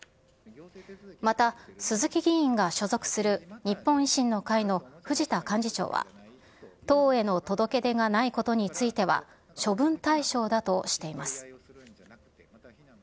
また鈴木議員が所属する日本維新の会の藤田幹事長は、党への届け出がないことについては、処分対象だとしています。